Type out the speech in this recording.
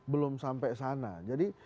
belum sampai sana jadi